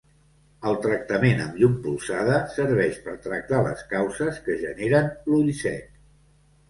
El tractament amb llum polsada serveix per tractar les causes que generen l'ull sec.